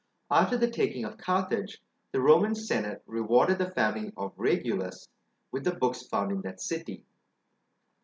After the taking of Carthage, the Roman senate rewarded the family of Regulus with the books found in that city.